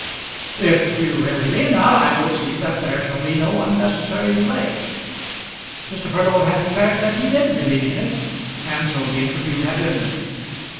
"If you really mean that, I will see that there shall be no unnecessary delay." Mr. Furnival had declared that he did really mean it, and so the interview had ended.